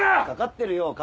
かかってるよ